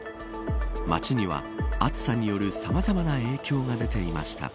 街には暑さによるさまざまな影響が出ていました。